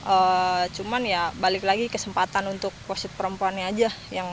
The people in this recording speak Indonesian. oh cuman ya balik lagi kesempatan untuk wasit perempuannya aja